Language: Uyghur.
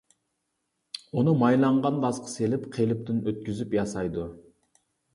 ئۇنى مايلانغان داسقا سېلىپ قېلىپتىن ئۆتكۈزۈپ ياسايدۇ.